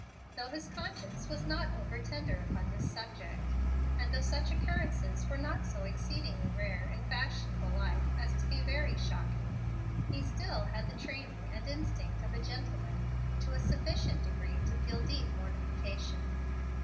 Though his conscience was not over tender upon this subject, and though such occurrences were not so exceedingly rare in fashionable life as to be very shocking, he still had the training and instinct of a gentleman, to a sufficient degree to feel deep mortification.